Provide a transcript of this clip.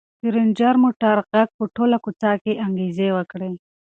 د رنجر موټر غږ په ټوله کوڅه کې انګازې وکړې.